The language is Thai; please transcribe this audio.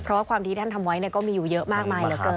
เพราะว่าความที่ท่านทำไว้ก็มีอยู่เยอะมากมายเหลือเกิน